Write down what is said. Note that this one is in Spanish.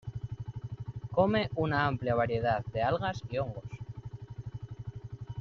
Come una amplia variedad de algas y hongos.